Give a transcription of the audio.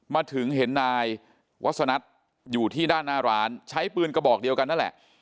มาถึงเห็นนายวัฒนัทอยู่ที่ด้านหน้าร้านใช้ปืนกระบอกเดียวกันนั่นแหละ